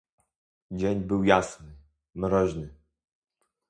"Dzień był jasny, mroźny."